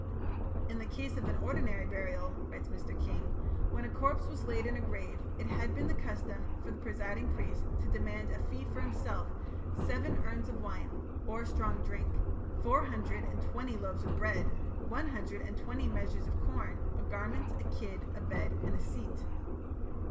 "In the case of an ordinary burial," writes Mr. King, "when a corpse was laid in a grave, it had been the custom for the presiding priest to demand as a fee for himself seven urns of wine or strong drink, four hundred and twenty loaves of bread, one hundred and twenty measures of corn, a garment, a kid, a bed, and a seat."